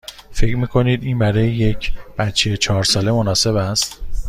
فکر می کنید این برای یک بچه چهار ساله مناسب است؟